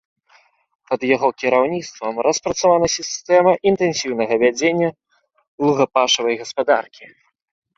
Пад яго кіраўніцтвам распрацавана сістэма інтэнсіўнага вядзення лугапашавай гаспадаркі.